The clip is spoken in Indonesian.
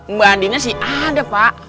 mbak adina sih ada pak